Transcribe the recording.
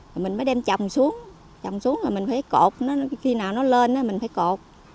rồi mình mới đem trồng xuống trồng xuống là mình phải cột khi nào nó lên mình phải cột